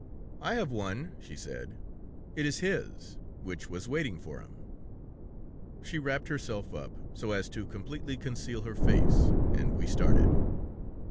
'I have one,' she said; 'it is his, which was waiting for him!' She wrapped herself up, so as to completely conceal her face, and we started."